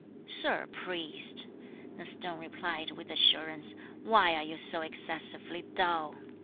"Sir Priest," the stone replied with assurance, "why are you so excessively dull?